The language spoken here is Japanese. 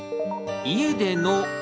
家での？